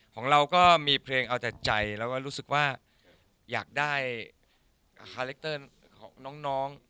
ของเราก็มีเพลงเอาแต่ใจแล้วก็รู้สึกว่าอยากได้คาแรคเตอร์ของน้อง